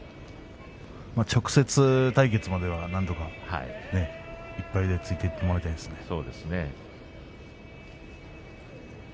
直接対決までは、なんとか１敗でついていってもらいたいですね。